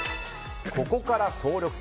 ここから総力戦！